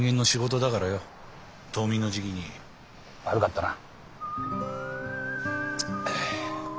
冬眠の時期に悪かったな。